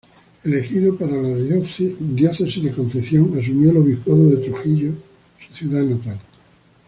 Elegido para la diócesis de Concepción, asumió el obispado de Trujillo, su ciudad natal.